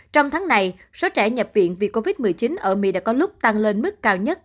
trong tháng này số trẻ nhập viện vì covid một mươi chín ở mỹ đã có lúc tăng lên mức cao nhất